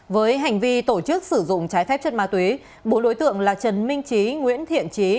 với hành vi tổ chức sử dụng trái phép chất ma túy bố đối tượng là trần minh trí nguyễn thiện trí